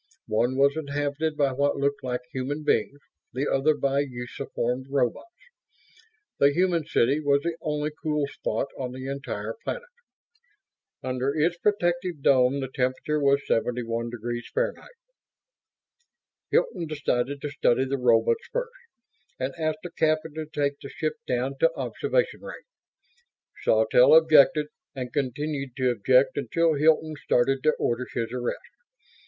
One was inhabited by what looked like human beings; the other by usuform robots. The human city was the only cool spot on the entire planet; under its protective dome the temperature was 71°F. Hilton decided to study the robots first; and asked the captain to take the ship down to observation range. Sawtelle objected; and continued to object until Hilton started to order his arrest.